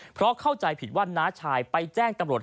เพราะเข้าใจผิดว่าน้าชายไปแจ้งตำรวจ